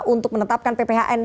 untuk menetapkan pphn